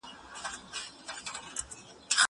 کېدای سي د کتابتون کتابونه سخت وي!